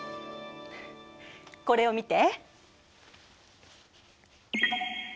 これを見て。